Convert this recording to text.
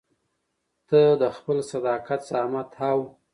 ته د خپل صداقت، زحمت او